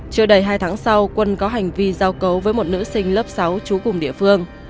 chưa đầy hai tháng sau quân có hành vi giao cấu với một nữ sinh lớp sáu trú cùng địa phương